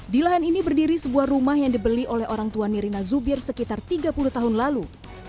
di lahan ini berdiri sebuah rumah yang dibeli oleh orang tua nirina zubir sekitar tiga puluh tahun lalu